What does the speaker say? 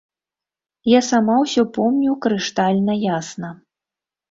Я сама ўсё помню крыштальна ясна.